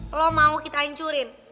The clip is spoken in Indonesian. lo mau kita hancurin